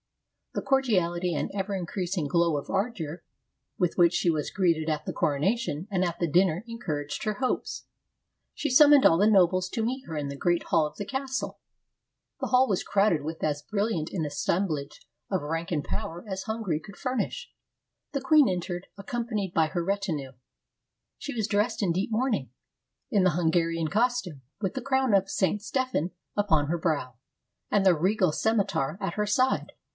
The cordiality and ever in creasing glow of ardor with which she was greeted at the coronation and at the dinner encouraged her hopes. She summoned all the nobles to meet her in the great hall of the castle. The hall was crowded with as bril 323 AUSTRIA HUNGARY liant an assemblage of rank and power as Hungary could furnish. The queen entered, accompanied by her retinue. She was dressed in deep mourning, in the Hun garian costume, with the crown of St. Stephen upon her brow, and the regal scimitar at her side.